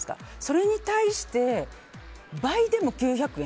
それに対して倍でも９００円。